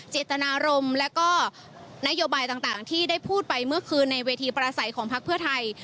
เจตนารมณ์และก็นโยบายต่างที่ได้พูดไปเมื่อคืนในเวทีประสัยของพักเพื่อไทย